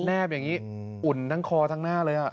แบบอย่างนี้อุ่นทั้งคอทั้งหน้าเลย